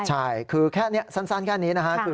ใช่คือแค่นี้สั้นแค่นี้นะฮะ